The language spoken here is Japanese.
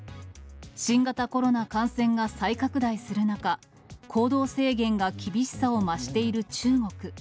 新型コロナ感染が再拡大する中、行動制限が厳しさを増している中国。